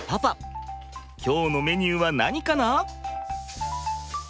今日のメニューは何かな？